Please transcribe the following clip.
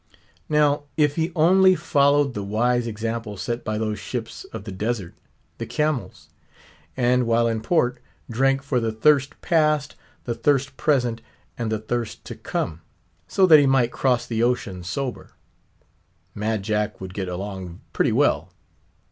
Now, if he only followed the wise example set by those ships of the desert, the camels; and while in port, drank for the thirst past, the thirst present, and the thirst to come—so that he might cross the ocean sober; Mad Jack would get along pretty well.